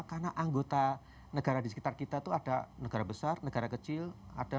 karena anggota negara di sekitar kita itu ada negara negara yang berpengaruh di sekitar kita